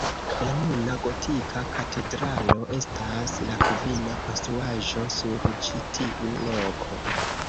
La nuna gotika katedralo estas la kvina konstruaĵo sur ĉi tiu loko.